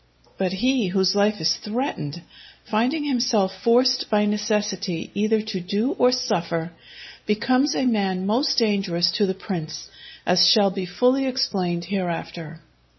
But he whose life is threatened, finding himself forced by necessity either to do or suffer, becomes a man most dangerous to the prince, as shall be fully explained hereafter.